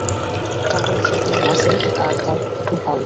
চার বারের champion Nasser আর তার কুকুর হাল্ক।